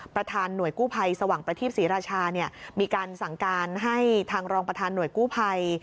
ประธานหน่วยกู้ภัยสว่างประทีปศรีราชาเนี่ยมีการสั่งการให้ทางรองประธานหน่วยกู้ภัย